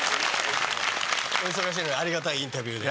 お忙しいのにありがたいインタビューで。